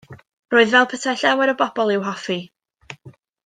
Roedd fel petai llawer o bobl i'w hoffi.